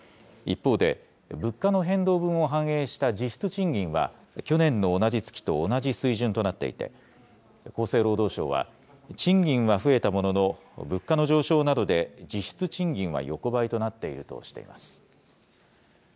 一方で、物価の変動分を反映した実質賃金は、去年の同じ月と同じ水準となっていて、厚生労働省は、賃金は増えたものの、物価の上昇などで、実質賃金は横ばいとなっているとしています。